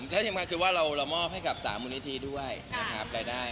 เฉพาะที่สำคัญคือว่าเรามอบให้กับสามมูลนิธีด้วยนะครับรายได้